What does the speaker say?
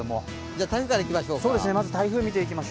台風からいきましょうか。